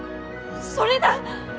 それだ！